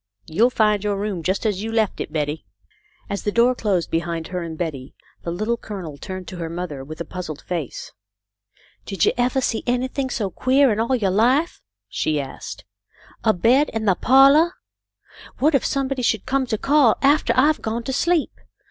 You'll find your room just as you left it, Betty." As the door closed behind her and Betty, the Little Colonel turned to her mother with a puzzled face. " Did you evah see anything so queah in all yo' life ?" she asked. " A bed in the pahlah ! What if some body should come to call aftah I've gone to sleep.